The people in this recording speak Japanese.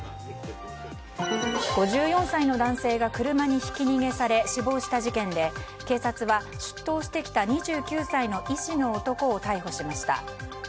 ５４歳の男性が車にひき逃げされ死亡した事件で警察は出頭してきた２９歳の医師の男を逮捕しました。